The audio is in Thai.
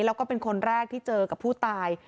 แล้วก็เป็นคนแรกที่เจอกับผู้ตาย